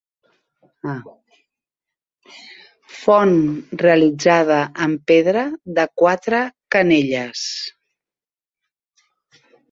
Font realitzada en pedra, de quatre canelles.